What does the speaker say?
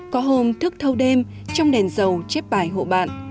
có hôm thức thâu đêm trong đèn dầu chép bài hộ bạn